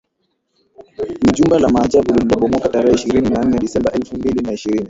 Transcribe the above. Ni jumba la Maajabu lililobomoka tarehe ishirini na nne Desemba elfu mbili na ishirini